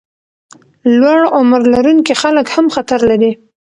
لوړ عمر لرونکي خلک هم خطر لري.